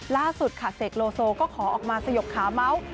ล่าสุดค่ะเสกโลโซก็ขอออกมาสยบขาเมาส์